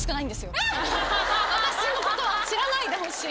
私のことは知らないでほしい。